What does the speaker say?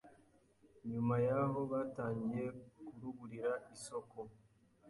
nyuma yaho batangiye kuruburira isoko